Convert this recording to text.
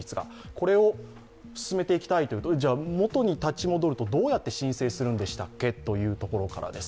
これを進めていきたいともとに立ち戻るとどうやって申請するんでしたっけというところからです。